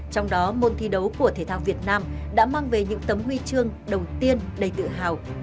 trong đó môn thi đấu của thể thao việt nam đã mang về những tấm huy chương đầu tiên đầy tự hào